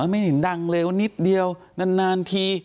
ไม่ได้ดังเร็วนิดเดียวนานที